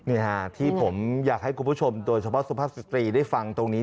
นี่ค่ะที่ผมอยากให้คุณผู้ชมโดยเฉพาะสุภาพสตรีได้ฟังตรงนี้